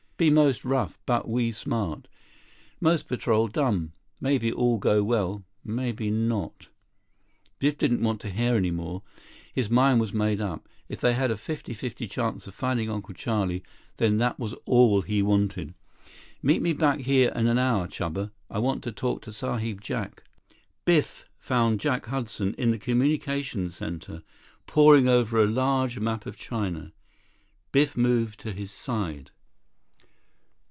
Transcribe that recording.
"Be most rough. But we smart. Most patrol dumb. Maybe all go well—maybe not—" Biff didn't want to hear any more. His mind was made up. If they had a fifty fifty chance of finding Uncle Charlie, then that was all he wanted. "Meet me back here in an hour, Chuba. I want to talk to Sahib Jack." Biff found Jack Hudson in the communications center, pouring over a large map of China. Biff moved to his side.